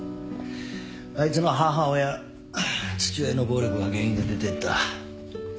あいつの母親父親の暴力が原因で出てった。